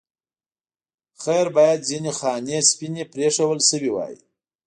خیر باید ځینې خانې سپینې پرېښودل شوې وای.